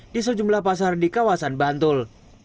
di sejumlah pasar di kawasan bantul